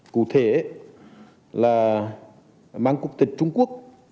cụ thể là mang quốc tịch trung quốc